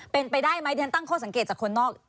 เป็นไปได้ไหมที่ฉันตั้งข้อสังเกตจากคนนอก